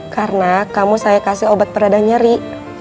karena kamu saya kasih obat peradah nyeri